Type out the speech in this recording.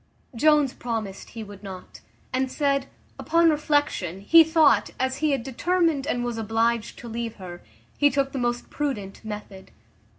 Jones promised he would not; and said, upon reflection, he thought, as he had determined and was obliged to leave her, he took the most prudent method.